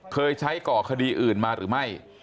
เคยใช้ก่อคดีอื่นมาหรือไม่